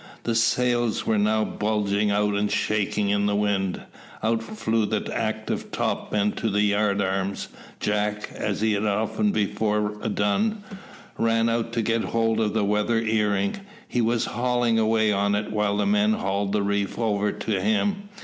The sails were now bulging out and shaking in the wind. Out flew the active topmen to the yard arms. Jack, as he had often before done, ran out to get hold of the weather earing. He was hauling away on it while the men hauled the reef over to him.